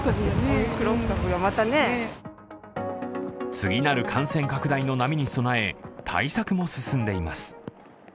次なる感染拡大の波に備え、対策も進んでいます。